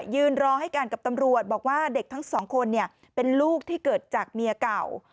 ยืนรอให้กันกับตำรวจบอกว่าเด็กทั้งสองคนเป็นลูกที่เกิดจากเมียเก่า